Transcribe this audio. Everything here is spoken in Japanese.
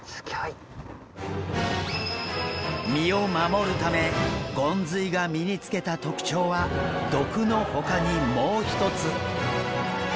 身を守るためゴンズイが身につけた特徴は毒のほかにもう一つ。